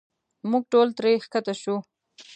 موږ ټول ترې ښکته شو.